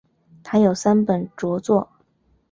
他有三本着作。